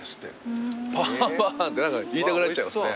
パーバーンって何か言いたくなっちゃいますね。